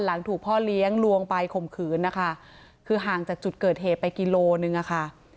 หลังถูกพ่อเลี้ยงลวงไปข่มขืนนะคะคือห่างจากจุดเกิดเหตุไปกิโลนึงอะค่ะ